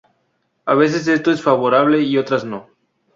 A veces esto es favorable y otras no.